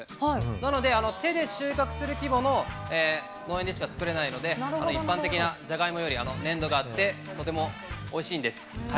なので、手で収穫する規模の農園でしか作れないので、一般的なジャガイモより粘度があって、とてもおいしいんです。